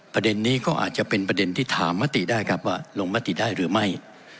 ประเด็นนี้ก็อาจจะเป็นประเด็นที่ถามมติได้ครับว่าลงมติได้หรือไม่